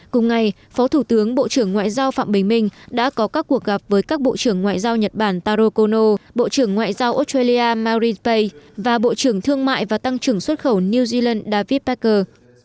cùng ngày phó thủ tướng bộ trưởng ngoại giao phạm bình minh đã có các cuộc gặp với các bộ trưởng ngoại giao nhật bản taro kono bộ trưởng ngoại giao australia marrinpay và bộ trưởng thương mại và tăng trưởng xuất khẩu new zealand david parker